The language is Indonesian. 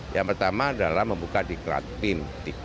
yang pertama adalah membuka di kratin tiga